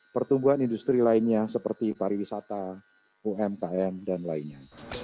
pertumbuhan industri lainnya seperti pariwisata umkm dan lainnya